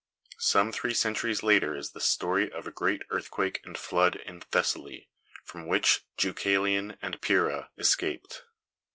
Some three centuries later is the story of a great earthquake and flood in Thessaly, from which Deucalion and Pyrrha escaped.